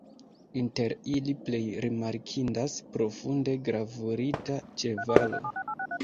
Inter ili plej rimarkindas profunde gravurita ĉevalo.